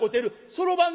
「そろばん？」。